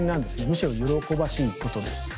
むしろ喜ばしいことです。